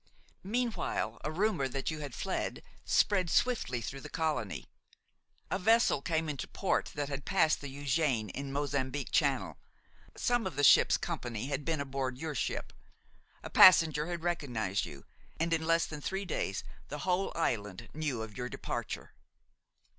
"Meanwhile, a rumor that you had fled spread swiftly through the colony. A vessel came into port that had passed the Eugéne in Mozambique Channel; some of the ship's company had been aboard your ship. A passenger had recognized you, and in less than three days the whole island knew of your departure.